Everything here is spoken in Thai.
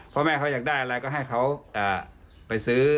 พ่อแม่เขาอยากได้อะไรก็ให้เขาไปซื้อ